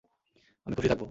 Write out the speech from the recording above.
আমি খুশি থাকবো।